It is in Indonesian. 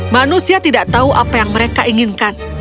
manusia tidak tahu apa yang mereka inginkan